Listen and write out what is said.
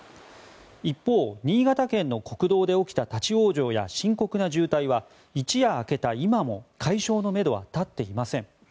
一方、新潟県の国道で起きた立ち往生や深刻な渋滞は一夜明けた今も解消のめどは立っていません。